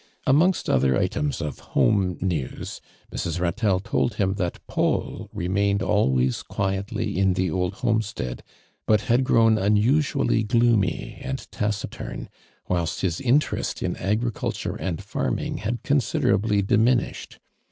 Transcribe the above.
Amongst other items nf home news, Mrs. Ratelle told him that Paul remained always quietly in the old homestead, but had grown unusually gloomy and taciturn, whilst his interest in agriculture and farming had con siderably diminished.